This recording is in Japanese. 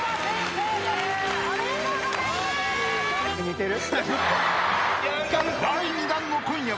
似てる？